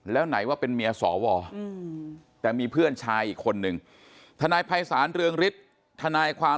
แล้วไหนว่าเป็นเมียสวแต่มีเพื่อนชายอีกคนนึงทนายภัยศาลเรืองฤทธิ์ทนายความ